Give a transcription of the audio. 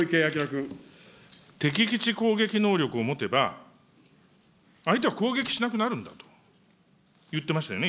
敵基地攻撃能力を持てば、相手は攻撃しなくなるんだと言ってましたよね。